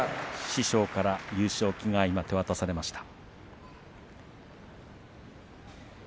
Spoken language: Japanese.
師匠から優勝旗が今、手渡されました。